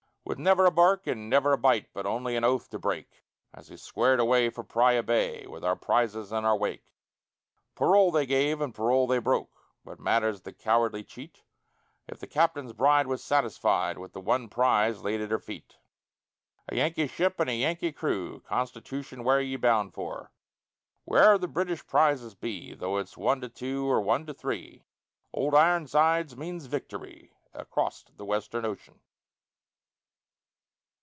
With never a bark and never a bite, But only an oath to break, As we squared away for Praya Bay With our prizes in our wake. Parole they gave and parole they broke, What matters the cowardly cheat, If the captain's bride was satisfied With the one prize laid at her feet? A Yankee ship and a Yankee crew Constitution, where ye bound for? Wherever the British prizes be, Though it's one to two, or one to three, "Old Ironsides" means victory, Acrost the Western ocean.